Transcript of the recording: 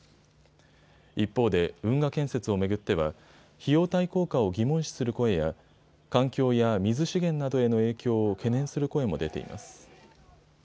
一方で運河建設を巡っては費用対効果を疑問視する声や環境や水資源などへの影響を懸念する声も出ています。